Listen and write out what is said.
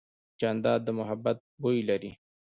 جانداد د محبت بویه لري.